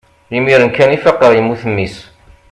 imir-n kan i faqeɣ yemmut mmi-s